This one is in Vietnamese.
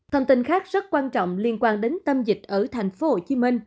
thông tin khác rất quan trọng liên quan đến tâm dịch ở tp hcm